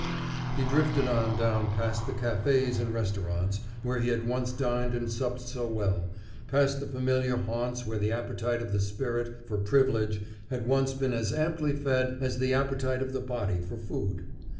He drifted on down past the cafés and restaurants where he had once dined and supped so well, past the familiar haunts where the appetite of the spirit for privilege had once been as amply fed as the appetite of the body for food.